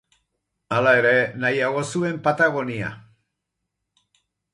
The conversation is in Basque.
Hala ere, nahiago zuen Patagonia.